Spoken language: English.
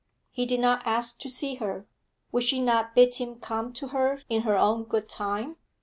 He did not ask to see her; would she not bid him come to her in her own good time?